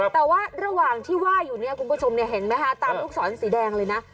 แต่ว่าระหว่างที่ว่าอยู่เนี่ยคุณผู้ชมเห็นไหมคะตามลูกศรสีแดงเลยนะ